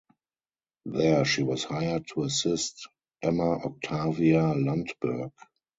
There she was hired to assist Emma Octavia Lundberg.